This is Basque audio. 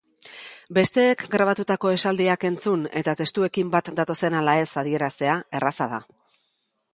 Besteek grabatutako esaldiak entzun eta testuekin bat datozen ala ez adieraztea erraza da.